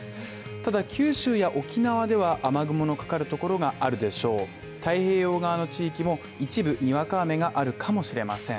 ただ九州や沖縄では雨雲のかかるところがあるでしょう、太平洋側の地域も一部にわか雨があるかもしれません。